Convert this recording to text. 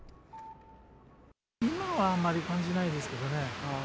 今はあんまり感じないですけどね。